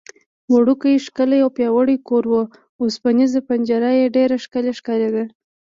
وړوکی، ښکلی او پیاوړی کور و، اوسپنېزه پنجره یې ډېره ښکلې ښکارېده.